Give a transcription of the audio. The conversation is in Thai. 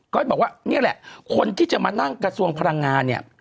ก็บอกว่านี่แหละคนที่จะมานั่งกระทรวงพลังงานเนี่ย